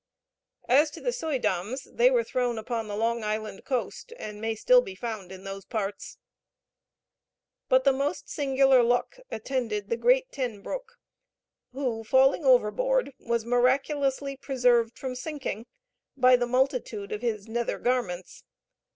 As to the Suydams, they were thrown upon the Long Island coast, and may still be found in those parts. But the most singular luck attended the great Ten Broeck, who, falling overboard, was miraculously preserved from sinking by the multitude of his nether garments.